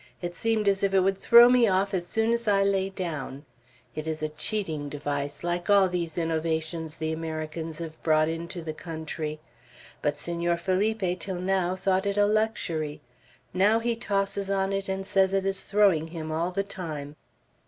It seemed as if it would throw me off as soon as I lay down; it is a cheating device, like all these innovations the Americans have brought into the country. But Senor Felipe till now thought it a luxury; now he tosses on it, and says it is throwing him all the time."